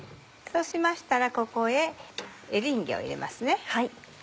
そうしましたらここへエリンギを入れますね。